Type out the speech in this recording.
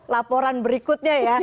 laporan berikutnya ya